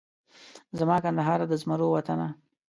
زما کندهاره د زمرو وطنه